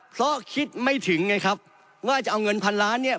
เพราะคิดไม่ถึงไงครับว่าจะเอาเงินพันล้านเนี่ย